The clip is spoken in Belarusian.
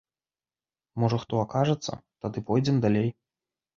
Можа хто акажацца, тады пойдзем далей.